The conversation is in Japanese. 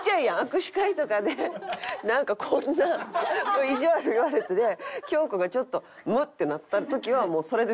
握手会とかでなんかこんないじわる言われて京子がちょっとムッてなった時はもうそれで全部いき。